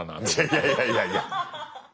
いやいやいやいや。